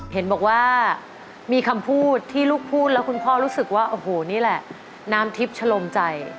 เห็นบอกว่ามีคำพูดที่ลูกพูดแล้วคุณพ่อรู้สึกว่าโอ้โหนี่แหละน้ำทิพย์ชะลมใจ